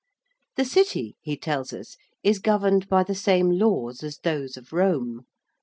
] The City, he tells us, is governed by the same laws as those of Rome.